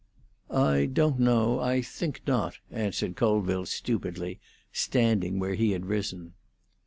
"I don't know; I think not," answered Colville stupidly, standing where he had risen.